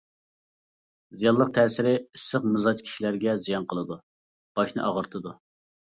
زىيانلىق تەسىرى ئىسسىق مىزاج كىشىلەرگە زىيان قىلىدۇ، باشنى ئاغرىتىدۇ.